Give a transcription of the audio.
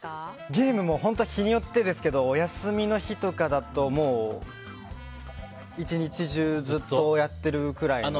ゲームも日によってですけどお休みの日とかだともう１日中ずっとやってるくらいの。